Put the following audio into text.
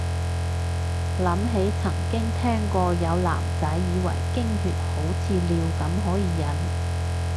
諗起曾經聽過有男仔以為經血好似尿咁可以忍